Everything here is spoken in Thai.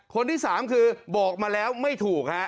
คนที่๓คือบอกมาแล้วไม่ถูกฮะ